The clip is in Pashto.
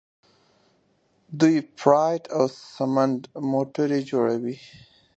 دوی پراید او سمند موټرې جوړوي.